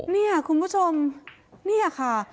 นี่คุณผู้ชมเนี่ยค่ะ